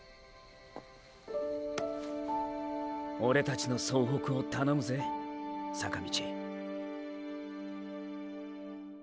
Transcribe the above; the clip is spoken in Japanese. オレたちの総北を頼むぜ坂道。